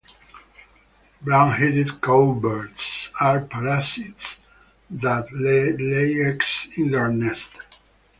Brown-headed cowbirds are parasites that lay eggs in their nests.